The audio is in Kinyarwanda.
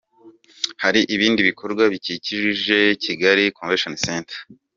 Hari ibindi bikorwa bikikije Kigali Convention Centre.